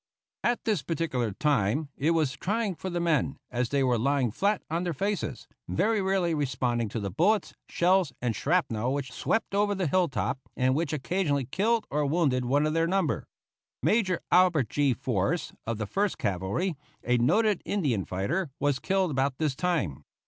At this particular time it was trying for the men, as they were lying flat on their faces, very rarely responding to the bullets, shells, and shrapnel which swept over the hill top, and which occasionally killed or wounded one of their number. Major Albert G. Forse, of the First Cavalry, a noted Indian fighter, was killed about this time.